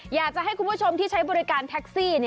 อยากจะให้คุณผู้ชมที่ใช้บริการแท็กซี่